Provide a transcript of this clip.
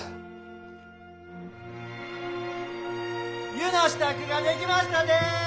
湯の支度ができましたで！